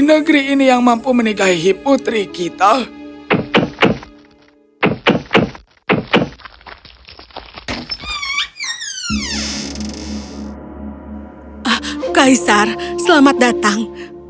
negeri ini yang mampu menikahi putri kita kaisar selamat datang